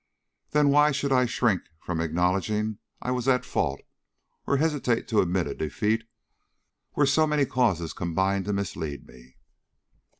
Then why should I shrink from acknowledging I was at fault, or hesitate to admit a defeat where so many causes combined to mislead me?"